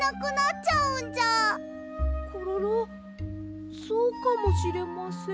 コロロそうかもしれません。